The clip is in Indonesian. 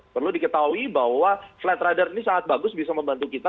perlu diketahui bahwa flight radar ini sangat bagus bisa membantu kita